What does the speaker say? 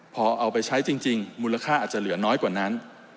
พอเอาไปใช้จริงมูลค่าอาจจะเหลือน้อยกว่านั้น